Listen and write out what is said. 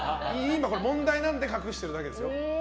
問題なので隠しているだけですよ。